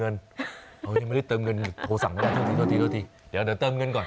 อะไรนะอ๋อยังไม่ได้เติมเงินโทรสั่งไม่ได้โทรสิโทรสิเดี๋ยวเดี๋ยวเติมเงินก่อน